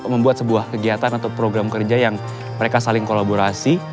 membuat sebuah kegiatan atau program kerja yang mereka saling kolaborasi